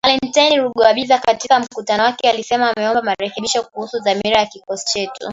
Valentine Rugwabiza katika mkutano wake alisema ameomba marekebisho kuhusu dhamira ya kikosi chetu